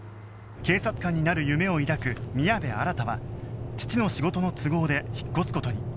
警察官になる夢を抱く宮部新は父の仕事の都合で引っ越す事に